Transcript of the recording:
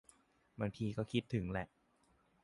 บางทีก็คิดถึงแหละ